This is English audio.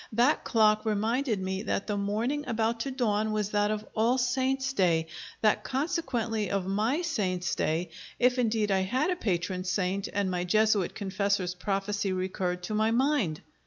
That clock reminded me that the morning about to dawn was that of All Saints' Day; that consequently of my saint's day if indeed I had a patron saint and my Jesuit confessor's prophecy recurred to my mind.